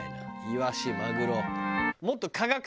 イワシマグロ。